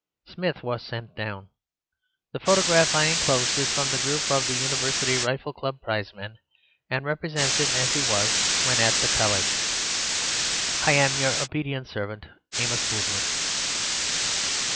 Smith was sent down. The photograph I enclose is from the group of the University Rifle Club prizemen, and represents him as he was when at the College.— Hi am, your obedient servant, Amos Boulter.